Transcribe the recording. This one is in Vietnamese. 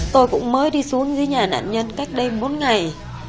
tôi cũng mới đi xuống dưới nhà nạn nhân cách đây bốn ngày